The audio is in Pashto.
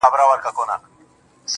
دا ستا د سترگو په كتاب كي گراني _